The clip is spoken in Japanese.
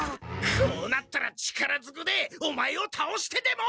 こうなったら力ずくでオマエをたおしてでも！